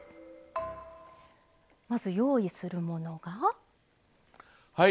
まず用意するものが材料です。